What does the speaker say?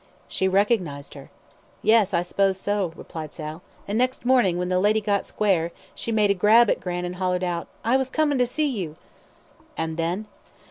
"She recognised her." "Yes, I s'pose so," replied Sal, "an' next mornin', when the lady got square, she made a grab at Gran', an' hollered out, 'I was comin' to see you.'" "And then?"